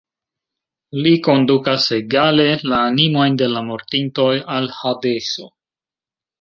Li kondukas egale la animojn de la mortintoj al Hadeso.